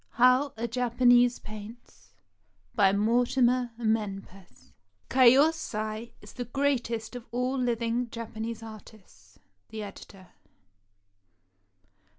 HOW A JAPANESE PAINTS BY MORTIMER MENPES [KiYOSAi is the greatest of all living Japanese artists. The Editor.